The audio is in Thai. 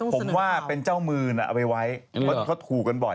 คงว่าเป็นเจ้ามือนะเอาไปไว้เขาถูกกันบ่อย